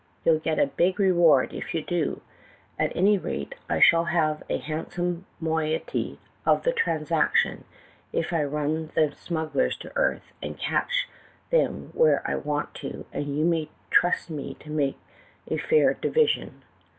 You'll get a big reward if you do; at any rate, I shall have a handsome moiety on the transaction if I run the smugglers to earth and catch them where I want to, and you may trust me to make a fair divi sion.